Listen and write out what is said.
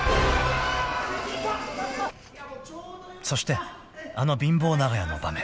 ［そしてあの貧乏長屋の場面］